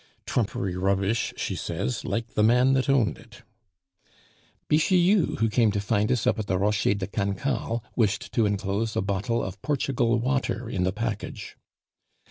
'Trumpery rubbish,' she says, 'like the man that owned it.' Bixiou, who came to find us up at the Rocher de Cancale, wished to enclose a bottle of Portugal water in the package.